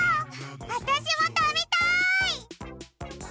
わたしもたべたい！